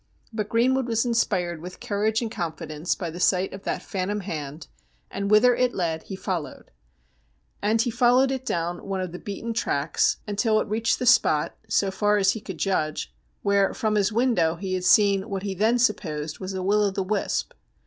But Greenwood was inspired with courage and confidence by the sight of that phantom hand, and whither it led he followed. And he followed it down one of the beaten tracks until it reached the spot, so far as he could judge, where from his window he had seen what he then supposed was a will o' the wisp.